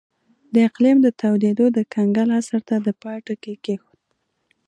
د اقلیم تودېدو د کنګل عصر ته د پای ټکی کېښود